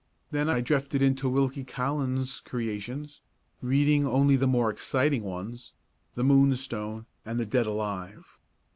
Then I drifted into Wilkie Collins' creations, reading only the more exciting ones "The Moonstone" and "The Dead Alive."